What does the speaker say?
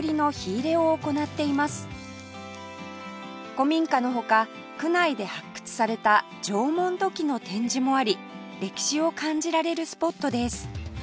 古民家の他区内で発掘された縄文土器の展示もあり歴史を感じられるスポットです